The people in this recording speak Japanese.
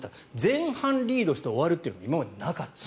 前半リードして終わるというのが今までなかった。